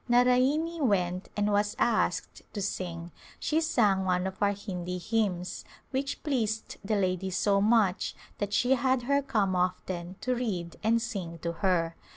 Naraini went and was asked to sing; she sang one of our Hindi hymns which pleased the lady so much that she had her come often to read and sing to her.